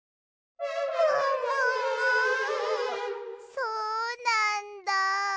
そうなんだ。